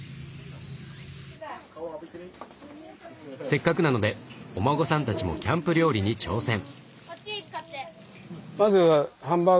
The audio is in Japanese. せっかくなのでお孫さんたちもキャンプ料理に挑戦！